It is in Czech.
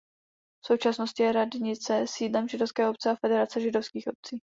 V současnosti je radnice sídlem židovské obce a Federace židovských obcí.